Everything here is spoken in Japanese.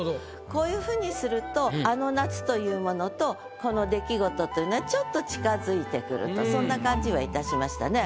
こういうふうにするとあの夏というものとこの出来事というのはちょっと近づいてくるとそんな感じはいたしましたね。